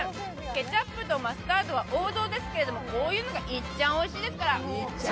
ケチャップとマスタードは王道ですけどこういうのがいっちゃんおいしいですから。